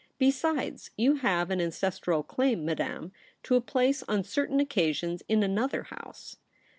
' Besides, you have an ancestral claim, Madame, to a place on certain occasions in another House.'